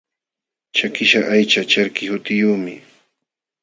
Chakiśhqa aycha charki hutiyuqmi.